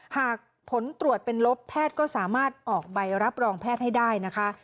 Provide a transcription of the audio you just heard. หากผลตรวจเป็นลบแพทย์ก็สามารถออกใบรับรองแพทย์ให้ได้นะคะ